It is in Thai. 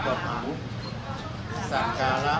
ขอบคุณครับ